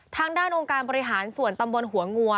ทางด้านองค์การบริหารส่วนตำบลหัวงัว